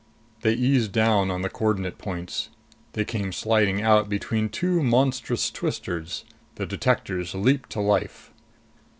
They eased down on the coordinate points. They came sliding out between two monstrous twisters. The detectors leaped to life.